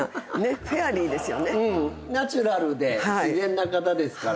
ナチュラルで自然な方ですから。